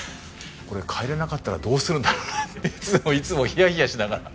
これ帰れなかったらどうするんだろうなっていつもいつもヒヤヒヤしながら。